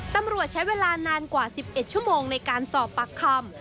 ตำรวจใช้เวลานานกว่า๑๑ชั่วโมงในการสอบปากคำ